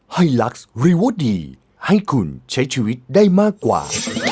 ลักษ์ริโวดีให้คุณใช้ชีวิตได้มากกว่า